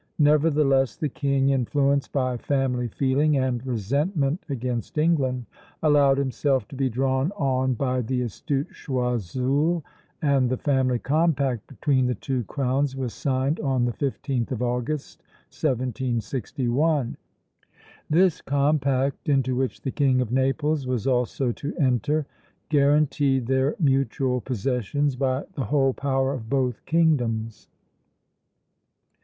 Nevertheless, the king, influenced by family feeling and resentment against England, allowed himself to be drawn on by the astute Choiseul, and the Family Compact between the two crowns was signed on the 15th of August, 1761. This compact, into which the King of Naples was also to enter, guaranteed their mutual possessions by the whole power of both kingdoms.